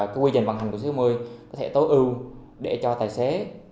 cái quy trình vận hành của sip sáu mươi có thể tối ưu để cho tài xế